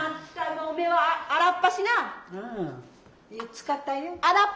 使ったよ。